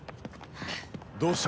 どうした？